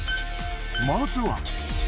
まずは。